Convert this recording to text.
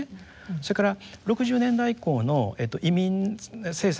それから６０年代以降の移民政策